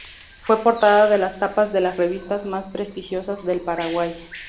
Fue portada de las tapas de las revistas más prestigiosas del Paraguay.